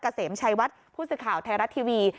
เกษมชัยวัดผู้สื่อข่าวไทยรัฐทีวี